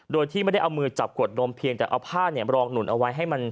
โดยที่ไม่ได้เอามือจับกวดนมเพียงแต่เอาผ้ารองหนุนเอาไว้ให้มัน